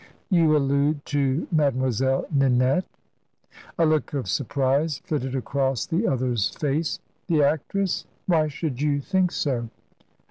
"You allude to Mademoiselle Ninette?" A look of surprise flitted across the other's face. "The actress? Why should you think so?"